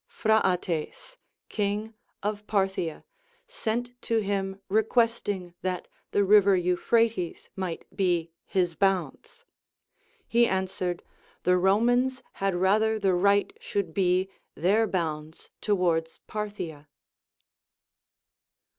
Phraates, king of Partliia, sent to him requesting that the river Euphrates might be his bounds. He answered, the Romans had rather the right should be their bounds towards Parthia.